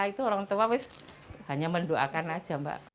itu orang tua hanya mendoakan aja mbak